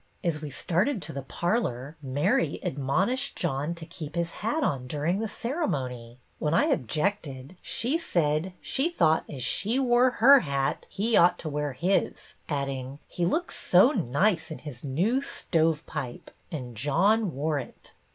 As we started to the parlor, Mary admonished John to keep his hat on during the ceremony. 264 BETTY BAIRD When I objected, she said she thought as she wore her hat he ought to wear his, add ing, ' He looks so nice in his new stove pipe ;' and John wore it."